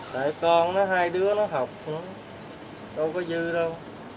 tại con nó hai đứa nó học đâu có dư đâu